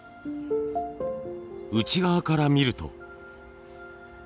内側から見ると。